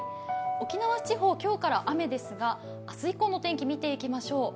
沖縄地方、今日から雨ですが明日以降の天気見ていきましょう。